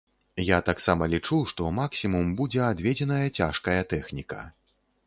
Я таксама лічу, што максімум будзе адведзеная цяжкая тэхніка.